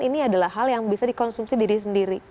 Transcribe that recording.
ini adalah hal yang bisa dikonsumsi diri sendiri